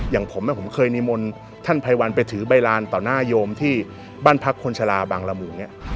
อย่างผมผมเคยนิมนต์ท่านภัยวัลไปถือใบลานต่อหน้าโยมที่บ้านพักคนชะลาบางละมุงเนี่ย